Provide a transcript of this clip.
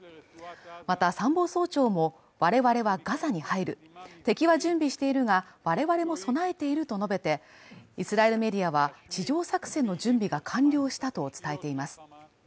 また、参謀総長も、我々はガザに入る、敵は準備しているが、我々も備えていると述べて、イスラエルメディアは、地上作戦の準備が完了したと伝えています。